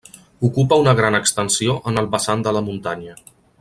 Ocupa una gran extensió en el vessant de la muntanya.